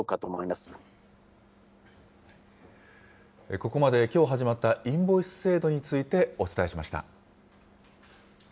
ここまで、きょう始まったインボイス制度についてお伝えしました。